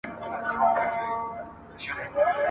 ملا وویل تعویذ درته لیکمه !.